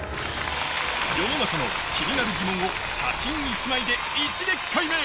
世の中の気になる疑問を写真１枚で一撃解明